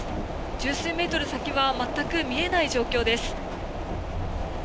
十数メートル先は全く見えない状況です。